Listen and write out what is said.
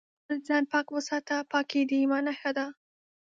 خپل ځان پاک وساته ، پاکي د ايمان نښه ده